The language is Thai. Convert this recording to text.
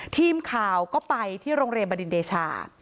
ทีมข่าวก็ไปที่โรงเรียนบดินเดชา